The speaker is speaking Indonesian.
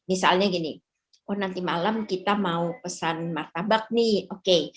misalnya gini oh nanti malam kita mau pesan martabak nih oke